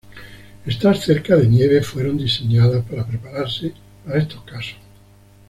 Estas cercas de nieve fueron diseñadas para prepararse para estos casos.